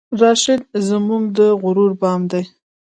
راشد زمونږه د غرور بام دی